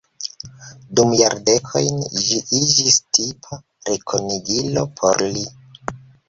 Dum jardekojn ĝi iĝis tipa rekonigilo por li.